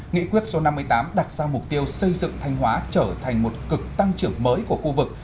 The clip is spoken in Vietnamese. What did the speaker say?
nghị quyết số năm mươi tám đặt ra mục tiêu xây dựng thanh hóa trở thành một cực tăng trưởng mới của khu vực